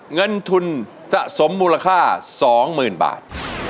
เงินทุนจะสมมูลค่า๒๐๐๐บาท